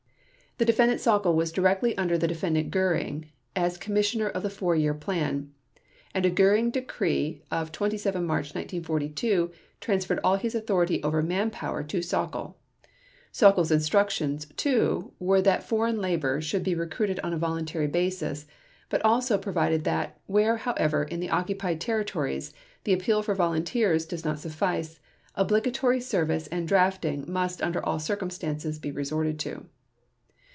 The Defendant Sauckel was directly under the Defendant Göring as Commissioner of the Four Year Plan, and a Göring decree of 27 March 1942 transferred all his authority over manpower to Sauckel. Sauckel's instructions, too, were that foreign labor should be recruited on a voluntary basis, but also provided that "where, however, in the occupied territories, the appeal for volunteers does not suffice, obligatory service and drafting must under all circumstances be resorted to."